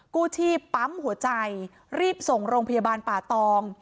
กู้ชีพปั๊มหัวใจรีบส่งโรงพยาบาลป่าตอง